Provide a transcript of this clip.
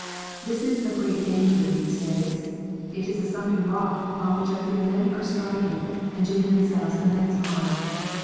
This is a great danger in these days. It is a sunken rock, on which I fear many are striking, and doing themselves immense harm.